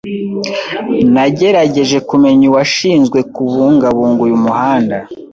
Nagerageje kumenya uwashinzwe kubungabunga uyu muhanda.